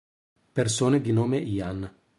Persone di nome Ian